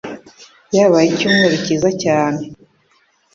Byabaye icyumweru cyiza cyane.